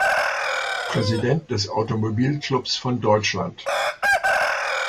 Präsident des Automobilclubs von Deutschland.